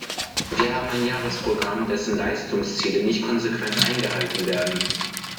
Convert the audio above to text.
Wir haben ein Jahresprogramm, dessen Leistungsziele nicht konsequent eingehalten werden.